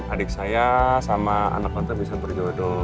adik saya sama anak tante bisa berjodoh